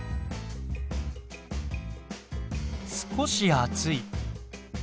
少し暑い。